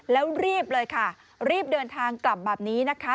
แล้วรีบเลยค่ะรีบเดินทางกลับแบบนี้นะคะ